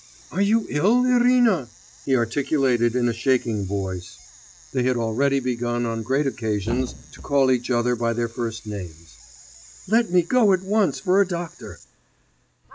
'Are you ill, Irina?' he articulated in a shaking voice. (They had already begun on great occasions to call each other by their first names.) 'Let me go at once for a doctor.